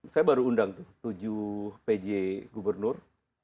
saya baru undang tuh tujuh pj gubernur